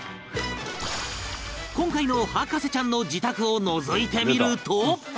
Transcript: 今回の博士ちゃんの自宅をのぞいてみると